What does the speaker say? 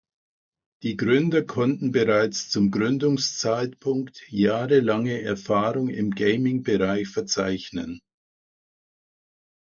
Die Gründer konnten bereits zum Gründungszeitpunkt jahrelange Erfahrung im Gaming-Bereich verzeichnen.